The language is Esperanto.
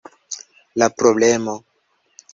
La problemo.